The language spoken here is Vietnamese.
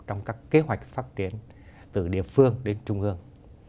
trong các kế hoạch phát triển từ địa phương đến trung ương